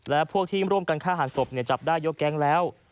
และพวกที่ร่วมกันฆ่าหันศพจับได้ยกแก๊งแล้ว